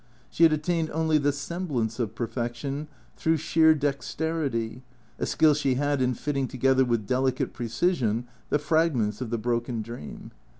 She had attained only the semblance of perfection, through sheer dexterity, a skill she had in fitting together with delicate precision the fragments of the broken dream.